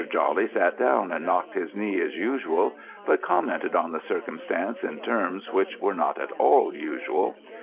Jawley sat down and knocked his knee as usual, but commented on the circumstance in terms which were not at all usual.